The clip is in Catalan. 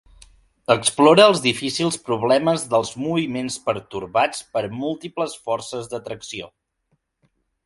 Explora els difícils problemes dels moviments pertorbats per múltiples forces d'atracció.